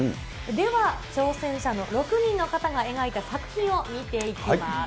では、挑戦者の６人の方が描いた作品を見ていきます。